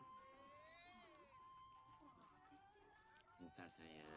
aku guagrade dia